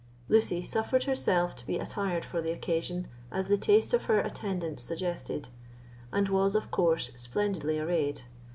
Lucy suffered herself to be attired for the occasion as the taste of her attendants suggested, and was of course splendidly arrayed.